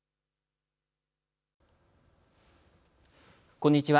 こんにちは。